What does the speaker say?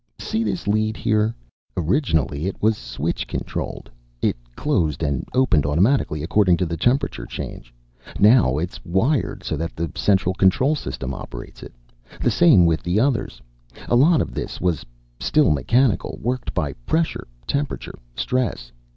"See this lead here? Originally it was switch controlled. It closed and opened automatically, according to temperature change. Now it's wired so that the central control system operates it. The same with the others. A lot of this was still mechanical, worked by pressure, temperature, stress.